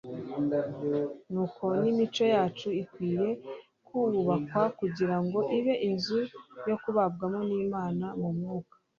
Ni uko n'imico yacu ikwinye kubakwa kugira ngo "ibe inzu yo kubabwamo n'Imana mu mwuka"